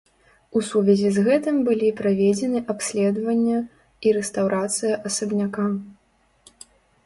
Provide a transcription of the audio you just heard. У сувязі з гэтым былі праведзены абследаванне і рэстаўрацыя асабняка.